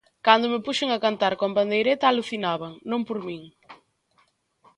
Cando me puxen a cantar coa pandeireta alucinaban, non por min.